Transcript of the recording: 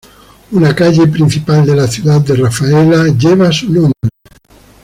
Una calle principal de la ciudad de Rafaela lleva su nombre.